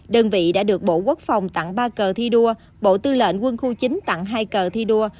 đơn vị đã được bộ quốc phòng tặng ba cờ thi đua bộ tư lệnh quân khu chín tặng hai cờ thi đua